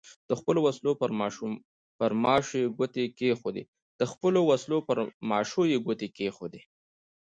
د خپلو وسلو پر ماشو یې ګوتې کېښودې.